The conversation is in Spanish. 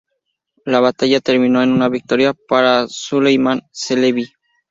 La batalla terminó en una victoria para Süleyman Çelebi.